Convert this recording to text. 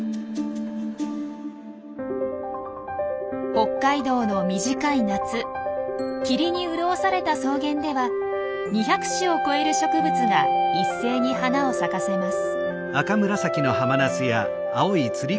北海道の短い夏霧に潤された草原では２００種を超える植物が一斉に花を咲かせます。